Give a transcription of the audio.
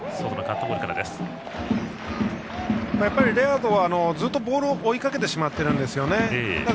レアードはずっとボールを追いかけてしまっているんですよ。